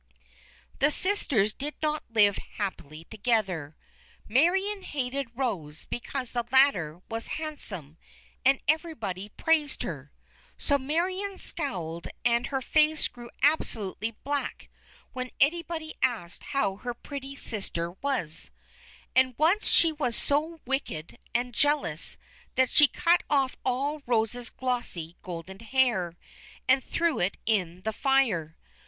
The sisters did not live happily together. Marion hated Rose because the latter was handsome and everybody praised her. So Marion scowled and her face grew absolutely black when anybody asked her how her pretty little sister was. And once she was so wicked and jealous that she cut off all Rose's glossy golden hair, and threw it in the fire.